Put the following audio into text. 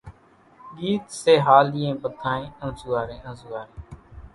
ڳيت سيھاليئين ٻڌانئين انزوئاري انزوئاري،